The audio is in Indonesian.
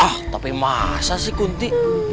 ah tapi masa sih kuntik